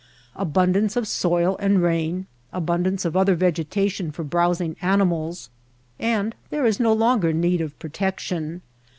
Abundance of soil and rain, abundance of other vegetation for browsing animals, and there is no longer need of protection.